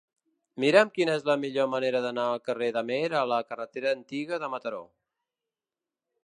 Mira'm quina és la millor manera d'anar del carrer d'Amer a la carretera Antiga de Mataró.